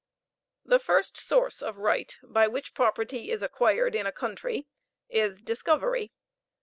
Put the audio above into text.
The first source of right by which property is acquired in a country is discovery.